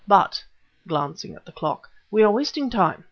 But," glancing at the clock, "we are wasting time.